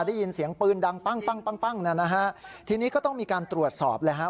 ได้ยินเสียงปืนดังปั้งปั้งปั้งปั้งนะฮะทีนี้ก็ต้องมีการตรวจสอบเลยฮะ